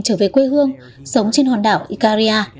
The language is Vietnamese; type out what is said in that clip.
trở về quê hương sống trên hòn đảo icaria